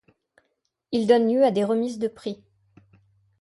Il donne lieu à des remises de prix.